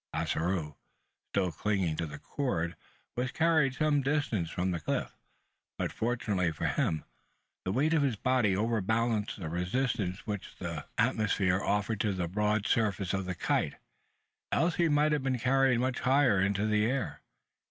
Ossaroo, still clinging to the cord, was carried some distance from the cliff; but, fortunately for him, the weight of his body overbalanced the resistance which the atmosphere offered to the broad surface of the kite; else he might have been carried much higher into the air.